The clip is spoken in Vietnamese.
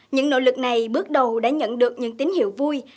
những nỗ lực này bước đầu đã nhận được những tín hiệu vui